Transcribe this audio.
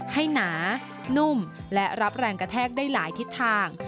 หนานุ่มและรับแรงกระแทกได้หลายทิศทาง